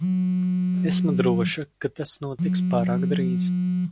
Esmu droša, ka tas notiks pārāk drīz.